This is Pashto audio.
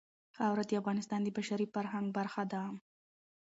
خاوره د افغانستان د بشري فرهنګ برخه ده.